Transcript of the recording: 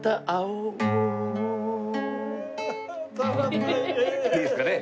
でいいですかね。